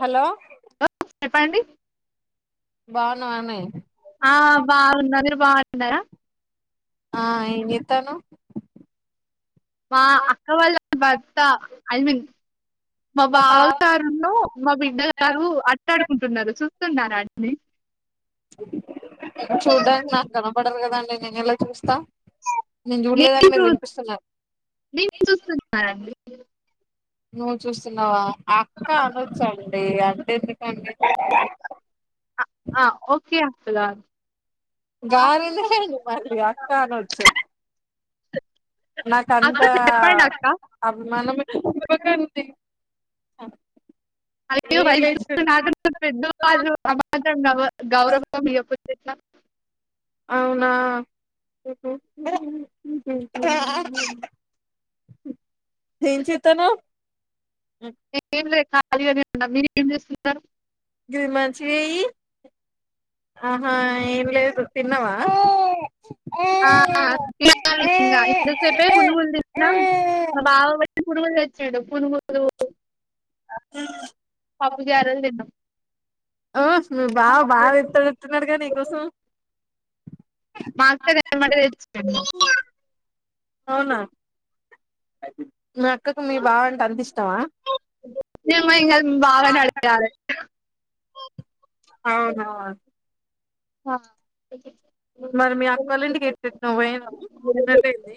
Hello చెప్పండి బాగు బాగున్నావానే బాగు ఎన్నారా ఆ ఏ ఎతాను మా అక్క వాళ్ళ భర్త ఐ మీన్ మా బావ గారును మా బిడ్డ గారు అట్టాడుకుంటున్నారు చూ స్తున్నారాడ్ని చూడాడి నాకు కనపడదు కదండి నేను ఎలా చూస్తా నేను చూడలేదాని మీరు వినిపిస్తున్నారు నేను చూస్తున్నానండి నువ్వు చూస్తున్నావా అక్క అనచ్చండి అంటే ఎందుకండి ఫలాల గాలి చరడి మళ్ళీ అక్క అన వచ్చు నాక అక్క అంతా చెప్పండి అక్క అభిమానంే ఇవ్వకడి అ అ వయసు పె మాత్రం గ గౌరవయ ఎట్ అవునా [inaudible] ఎం చితనవ లేదు అదిగానే ఉ మీరు ఏం చేస్తున్నారు జ మంచివి ఈ ఆహా ఏంలేదు తిన్నవా ఆకా ఎంత సేే ఉనుగుంది మ బబవా వ ప చెడు పనుగులు పాప్పు గరలు తన్నా ఓ మీ బాబ బాగా ఎత్తడుెతున్నాడుగా నీకోసం మాస్మాట తెచ్చ అ మీ అక్కకు మీ బావ అంటే అందిస్తావా మేము ఇంకా బావని అడగాలి అవునాా [inaudible] మరి మీ అక్కళ్ళ ఇంటికి ఎట్ట్ నువ పోయినా ఎన్నళ్లుయింది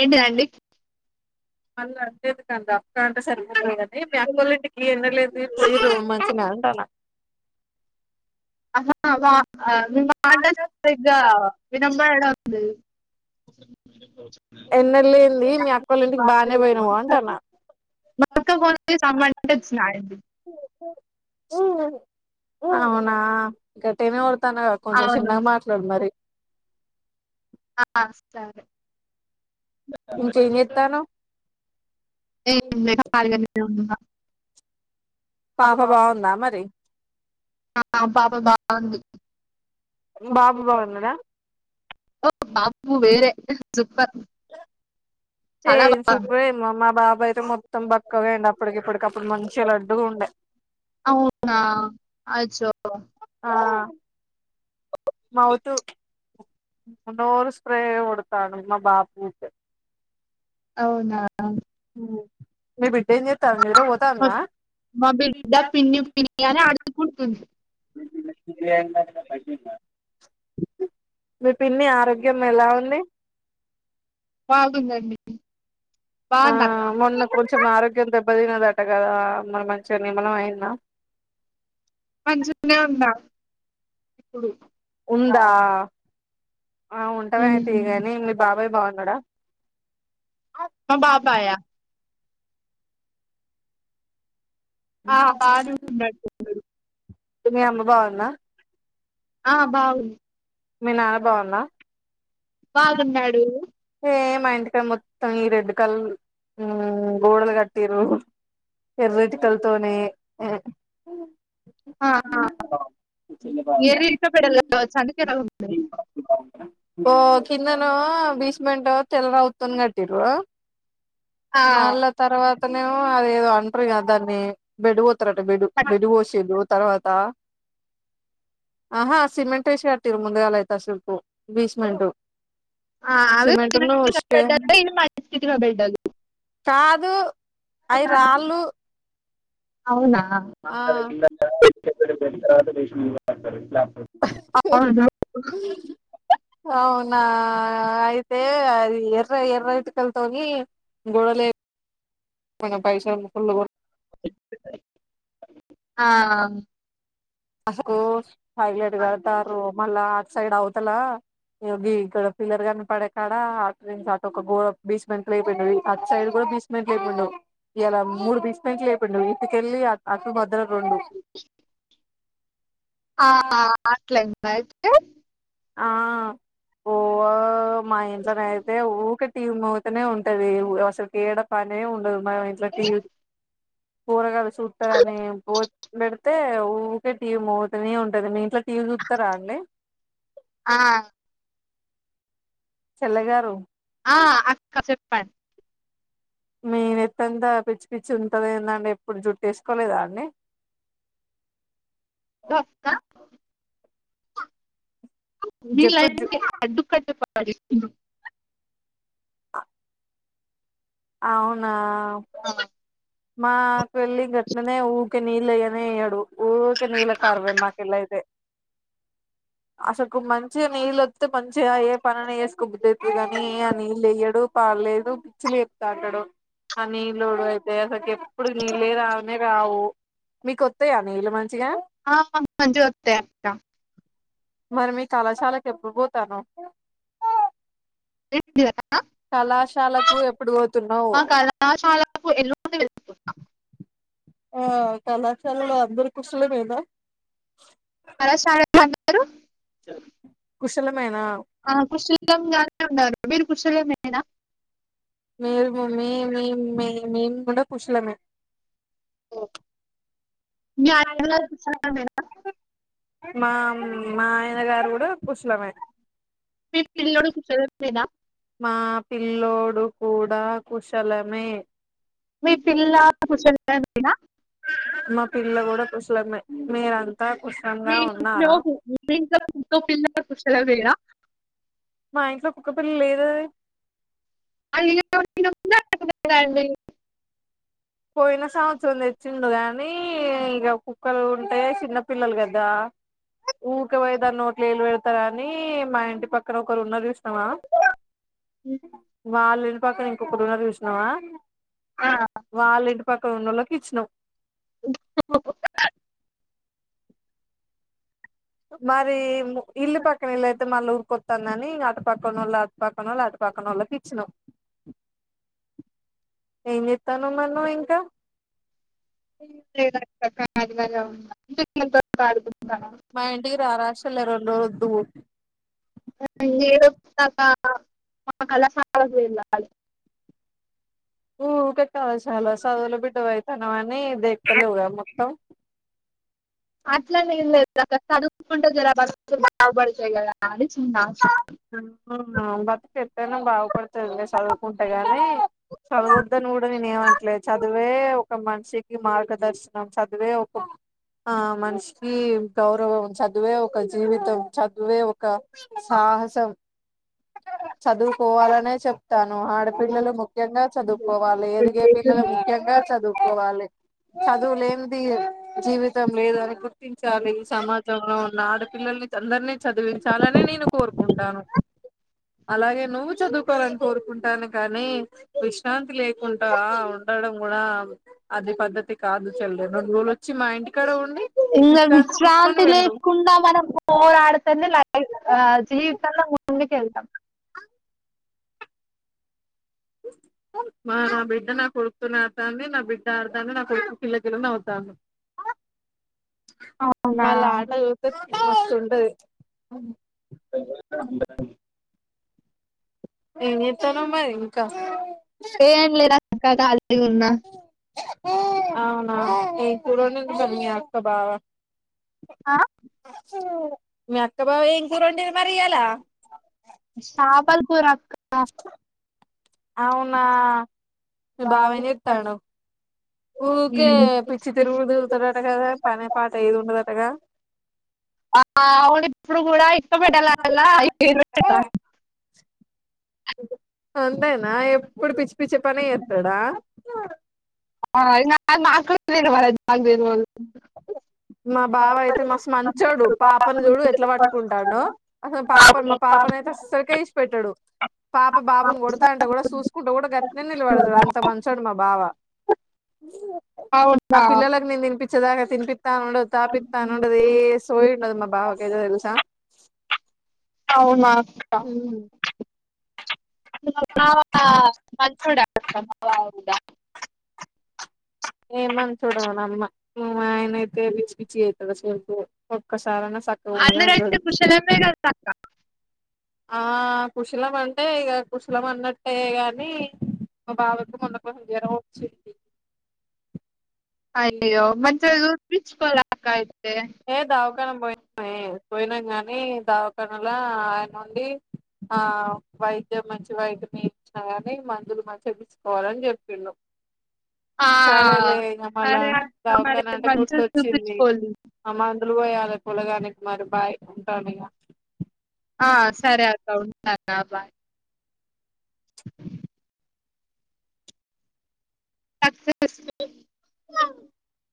ఏంటిదండి మన అర్జేది కంద అంటే సరిగాని మీ అక్కోళ ఇంటికి ఎనలేదు తీమ్మ అంటున్నాను రాళ్ళ ఆహా మీ మాటే సరిగ్గా వినబడాడం లేదు ఎన్నల్ లేంది మీ అక్క వాళ్ళ ఇంటికి బాగానే పోయినావు అంటన్న మా అక్కా కొడుక్కి సంబందాలూ వచ్చినాయి అండి ఉ అవునా గట్టేగానే కోడు తనగా కొంచెం అవును చిన్నగా మాట్లాడు మరి ఆ సరే ఇంకేం చెత్తన్నావ్ ఎం లే కలిగానే ఉన్న పాప బాగుందా మరి పాప బాగుందా బాబు బాగున్నాడా ఓ బాబు వేరే సూపర్ ఏ చాలా బాగుంది సుపర్ ఏ మా బాబు అయితే మొత్తం బక్కగా అయ్యిండు అప్పటికి ఇప్పటికి అప్పుడు మంచిగా లడ్డుగా ఉండే అవునా అచ్చో ఆ మౌతు రోజు స్ప్రే కొడుతండు మా బాబు ఊకే అవునా మీ బిడ్డ ఏచేస్తూ మా బిడ్డ పిన్ని పిన్నీ అని అరుచుకుంటుంది [unintelligible] మీ పిన్ని ఆరోగ్యం ఎలా ఉంది బాగుంది అండి ఆ మొన్న కొంచెం ఆరోగ్యం దేబ్బా దేబ్బ తిన్నారట కదా మరి మంచిగా నిమ్మలం అయిందా మంచిగానే ఉన్న ఇప్పుడు ఉందా ఆ ఉంటాదని తీగానీ మీ బాబాయ్ బాగున్నాడా మా బాబాయ్ ఆ ఆ బాగా ఉన్నడు మీ అమ్మ బాగుందా ఆ బాగుంది మీ నాన్న బాగున్నా బగున్నాడు ఏ మా ఇంటికా మొత్తం ఈ రెడ్ కలర్ గోడలు కట్టిరు ఎర్ర ఇటుకల తోనీ ఎర్ర ఇంట్లో పెడలు కావచ్చు అందుకే ఎర్రగా ఉన్నాయ్ ఓ కిందను బిస్ [unintelligible] ఆ మళ్ళ తర్వాత తనే ఏమో అదేదో అంటరు కదా దాన్ని బెడ్ పోతారట బెడ్ పట్- బెడ్ పోసిర్రు తర్వాత ఆహా సిమెంట్ వేసి కట్టిర్రు ముందుగాల అయితే అసలకు బిస్మెంట్ ఆ అవి సిమెంట్ ను తినట్లే ఉష్కే ఇది మడిచితిలో బిడ్డలు కాదు అవి రాళ్ళు అవునా ఆ అవును నా అయితే ఎర్ర ఎర్ర ఇటుకల తోనీ గోడ లే మన [unintelligible] ఆ అస్కు టాయిలెట్ కడతారు మళ్ళా ఆట్ సైడ్ అవుతలా ఇయో గీ ఇక్కడ పిల్లర్ కన్పడే కాడ అట్ నుంచి అటోక గోడ బీస్మేట్ అయిపోయి అట్ సైడ్ కూడా బీస్మెంట్ లేపిండు ఇయలా మూడు బీస్మెంట్ లేపిండు ఇటుకెళ్ళలి అట్ అటు మోత్తామే రోండి ఆ ఆ అట్లైంద అయితే ఆ బోహ్ మా ఇంట్లనైతే ఊకే టీవి మొగుతనే ఉంటది అసకేడ పనే ఉండదు మ ఇంట్ల టీవీ పోరగాలు చుత్తరనే పో పెడితే ఊకే టీవీ మోగుతనే ఉంటది మీ ఇంట్లో టీవీ చుత్తర అండి ఆన్ చెల్లేగారు ఆ అక్క చెప్పండి మీ నెత్తంతా పిచ్చి పిచ్చి ఉంటది నాన్నేప్పుడు జుట్టేస్కోలేదా అండి ఇదో అక్క మీ జుట్టు జు లైన్కే అడ్డు కట్ట పడి అవునా మా పెళ్ళిక్ గట్లనే ఊగ్ కే నీల్లేయానే ఎయడు ఊకే నీల కార్వే మాకెల్ అయితే అసకు మంచిగా నిల్ ఓచ్ తే మంచిగా ఏ పనైనా చేస్కోబుద్దైతది గానీ అ నీళ్లేయ్యడు పడ్లేదు పిచ్చి లే కాటాడు ఆ నీళ్లోడైతే అసకి ఎప్పుడు నీళ్లే రానే రావు మీకొత్తాయ నీళ్ళ మంచిగా ఆ మాక్ మంచిగా ఒత్తై అంట మరి మీ కళాశాలక్కెప్పుడు పోతన్నావ్ నిన్న కళాశాలకు ఎప్పుడు పోతున్నావ్ మా కళాశాలకు ఎల్లుండి ఆ కళాశాలలో అందరు కుశలమేనా కళాశాలలో అందరూ కుశలమేనా ఆ కుశలం గానే ఉన్నారు మీరు కుశలమేనా మేల్ము మే మే మే మెంకూడ కుశలమే మీ ఆయన కుశలమేనా మాం మా ఆయన గారు కూడ కుశలమే మీ పిల్లోడు కుశలమేనా మా పిల్లోడు కూడా కుశలమే మీ పిల్లా కుశలమేనా మా పిల్ల కూడా కుశలమే మీరంత్ మీ ఇంట్లో మీ ఇంట్లో కుక్క పిల్ల కుశలమేనా మా ఇంట్లో కుక్క పిల్ల లేదదే [inaudible] పోయిన సంవత్సరం తెచ్చిండు గాని ఇగ కుక్కలు ఉంటయో చిన్న పిల్లలు గదా ఊక పోయిదాన్ నోట్ల ఎల్ వెడ్త్ టారనీ మా ఇంటి పక్కన ఒక్లోల్ ఉన్నవ్ చూసినవా వాళ్లింట్ ఇంటిపక్కన్ ఇంకొకర్ ఉన్నావ్ చూసినవా ఆ వాళ్ ఇంటి పక్కన ఉన్నోలక్ ఇచ్చినాం మరి ఇల్లు పక్కన ఇళ్లైతే మళ్ ఊరికొత్తందనీ ఇంగ్ అటు పక్కనోళ్ళ పక్కనోల్ అట్ పక్కనోల్కిచ్చినం ఏం చేత్తన్నావ్ మార్ నువ్ ఇంకా లేదక్క కాదు కద సిగ్నల్తో [inaudible] మా ఇంటికి రారాషేల్ రోండ్ రోజుల్ ఉండువు మాక్ [inaudible] కదా మా కళాశాలక్ వెళ్ళాలి ఊకే చాల చదువుల బిడ్డవి అయిపోయినవాని దేక్క లేవుగా మొత్తం అట్లానే ఏం లేదు చదువుకుంటే జర బతుకులు బాగుపడతాయి కదా అని చిన్న ఆశ బతుకు ఎట్టైనా బాగుపడుతదిలే చదువుకుంటే గాని అట్లే చదివే ఒక మనిషికి మార్గదర్శనం చదివే ఒక ఆ మనిషికి గౌరవం చదివే ఒక జీవితం చదివే ఒక సాహస సం చదువుకోవాలనే చెప్తాను ఆడపిల్లలు ముఖ్యంగా చదువుకోవాలి ఎదిగే పిల్లలు ముఖ్యంగా చదువుకోవాలి చదువులేనిది జీవితం లేదు అని గుర్తించాలి సమాజంలో ఉన్న ఆడ పిల్లల్ని అందరినీ చదివించాలనే నేను కోరుకుంటాను అలాగే నువ్వు చదువుకోవాలని కోరుకుంటాను కానీ విశ్రాంతి లేకుండా ఉండడం కూడా అది పద్దతి కాదు చెల్లి రెండు రోజులు వచ్చి మా ఇంటికాడ ఉం ఇగ విశ్రాంతి లేేకుండా మనం పోరాడుతూ లైఫ్ జీవితంలో ఇంకా ముందుకి వెళ్తాం మా నా బిడ్డ నా కొడుకుతోనే ఆడతాంది నా బిడ్డ ఆడతాంది నా కొడుకు కిల్ల కిలా నవుతాంది అవునా వాళ్ళ ఆట చూస్తే మస్తు ఉంటది అ ఏం చేస్తున్నావ్ మ్మా ఇంకా ఏ ఏం లేద అక్క ఖళ్ళిగా ఉన్నా అవునా ఏం కూర వండిది మీ ఆక్క బావా మీ అక్కబావ ఏం కూర వండిది మరి ఈయలా పాల్ క్ రాసుకున్న అవునా మీ బావ ఎం బాగుంది. చెత్తాడు ఊరికే పిచ్చి తిరుగు తిరుగుతడట కదా పనే పాట ఏది ఉండదటగా అవును ఇప్పుడు కూడా ఇసుక పెట్టాలల్ల అంతేనా ఎప్పుడు పిచ్చి పిచ్చి పనే చేస్తాడా అయిన అది మాకు కూడా తెలవదు అది మాకు తెలవదు మా బావ అయితే మస్తు మంచోడు పాపని చూడు ఎట్లా పట్టుకుంటాడో అసలు పాప మా పా పాప నయితే అసలకి విడిచి పెట్టడు పాప బాబుని కొడతా అంటే కూడా చూసుకుంటూ కూడా గటనే నిలబడతడు అంత మంచోడు మా బావా అవును గా ఇప్పుడు తినిపిస్తా నోన్నడు తాపితా నోన్నడు ఏ సోయ ఉండదు మా బావా కదే తెలుసా అవునా హమ్ బావా మంచోడు అంట బావ ఏమని చూడవ అమ్మ ఆయన అయితే పిచ్చి పిచ్చి అవుతుంది సేపు ఒక్కసారనా అందరంటే కుశలమే కదతక్క ఆ కుశలం అంటే ఇక కుశలం అన్నట్టే గాని మా బావ కి మొన్న జ్వరం వచ్చింది అయ్యో మంచిగా చూపించుకోవాల అక్క అయితే ఏ దావాఖన పోయినాం పోయినాం గానీ దావాఖనలా ఆయన నుండి ఆ వైద్యం మంచి వైద్యం ఇచ్చిన కాని మందులు మంచిగా తీసుకోవాలని చెప్పిళ్ళు ఆ సరేలే ఇక మళ సరే అక్క మరి దవఖాన అంటే గుర్తు మంచిగా వచ్చింది చూపించుకోవాలి అ మందులు పోయాలి పిల్లగానికి మరి బాయ్ ఉంటాను ఇక ఆ సరే అక్క ఉంటాను బాయ్ అ